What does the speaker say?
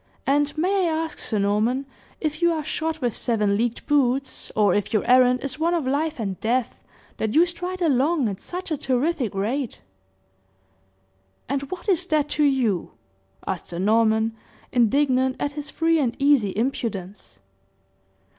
"And may I ask, Sir Norman, if you are shod with seven leagued boots, or if your errand is one of life and death, that you stride along at such a terrific rate?" "And what is that to you?" asked Sir Norman, indignant at his free and easy impudence.